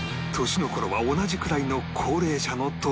年の頃は同じくらいの高齢者の登山客が